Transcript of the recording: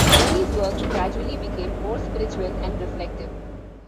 Berni's work gradually became more spiritual and reflective.